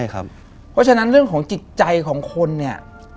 เพราะฉะนั้นเรื่องของจิตใจของคนเนี่ย